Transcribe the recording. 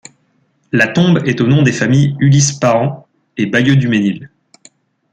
La tombe est au nom des familles Ulysse Parent et Bayeux-Dumesnil.